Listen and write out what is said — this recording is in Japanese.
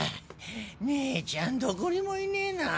姉ちゃんどこにもいねぇなぁ。